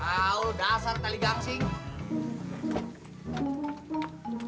ah dasar tali gansing